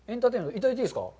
いただいていいですか。